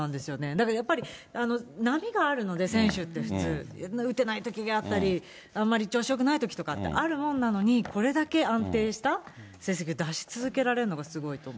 だからやっぱり、波があるので、選手って、普通、打てないときがあったり、あんまり調子よくないときってあるもんなのに、これだけ安定した成績を出し続けられるのがすごいと思う。